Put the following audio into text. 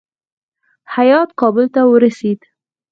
هیات کابل ته ورسېد.